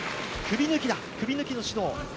首抜きの指導。